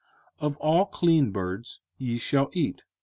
05:014:011 Of all clean birds ye shall eat.